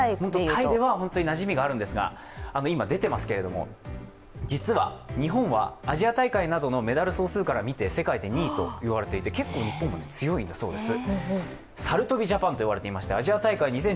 タイではなじみがあるんですが、実は日本はアジア大会などのメダル総数などからみて、世界で２位といわれていて結構日本、強いんだそうです。